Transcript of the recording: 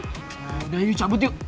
gak ada yuk cabut yuk